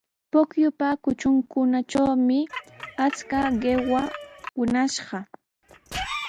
Pukyupa kutrunkunatrawmi achka qiwa wiñashqa.